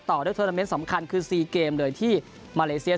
ต่อด้วยโทรนาเมนต์สำคัญคือ๔เกมเลยที่มาเลเซีย